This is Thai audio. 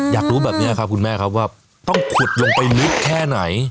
อยากรู้แบบนี้ครับคุณแม่ครับว่าต้องขุดลงไปลึกแค่ไหน